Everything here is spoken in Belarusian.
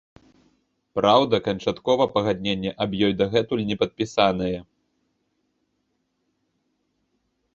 Праўда, канчаткова пагадненне аб ёй дагэтуль не падпісанае.